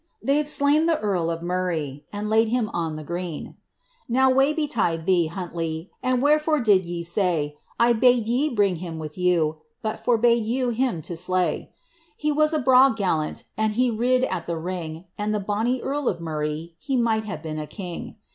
They *Te slain the earl of Murray, And laid him on the green. Now wae betide thee, Huntley! And wherefore did ye sael I bade ye bring him with ]roa, But Ibrbade you him to slay.' ^ He was a braw gallant, And ha rid at the ring ; And the bonny earl of Murray, He might have been a king.